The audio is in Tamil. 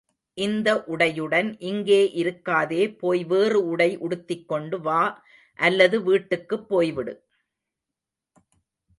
இந்த உடையுடன் இங்கே இருக்காதே போய் வேறு உடை உடுத்திக்கொண்டு வா அல்லது வீட்டுக்குப் போய்விடு.